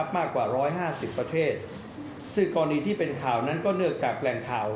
มากกว่า๑๕๐ประเทศซึ่งกรณีที่เป็นข่าวนั้นก็เนื้อกับแหล่งข่าว